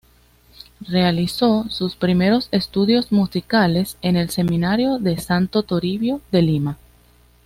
Realizó sus primeros estudios musicales en el Seminario de Santo Toribio de Lima.